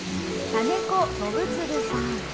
金子信次さん。